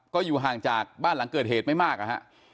ก็อยู่ห่างจากบ้านหลังเกิดเหตุไม่มากนะฮะ